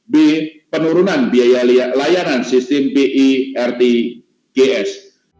b penurunan biaya layanan sistem pirtgs